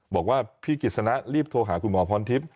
บอกว่าพี่กิจสนะรีบโทรหาคุณหมอพรทิพย์